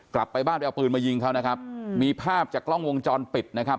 กลับไปบ้านไปเอาปืนมายิงเขานะครับมีภาพจากกล้องวงจรปิดนะครับ